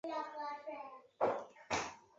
部活中存在的男女区别已引发了一些问题。